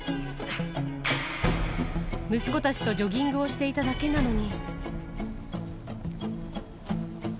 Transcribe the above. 息子たちとジョギングをしていただけなのに。